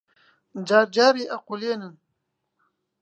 جار جارێ ئەقوولێنن